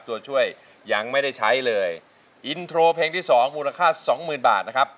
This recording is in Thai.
ตัวช่วยยังไม่ได้ใช้เลยอินโทรเพลงที่สองมูลค่าสองหมื่นบาทนะครับ